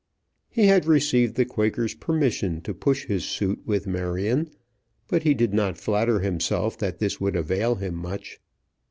He had received the Quaker's permission to push his suit with Marion, but he did not flatter himself that this would avail him much.